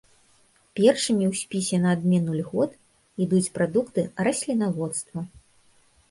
Першымі ў спісе на адмену льгот ідуць прадукты раслінаводства.